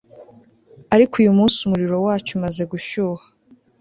Ariko uyumunsi umuriro wacyo umaze gushyuha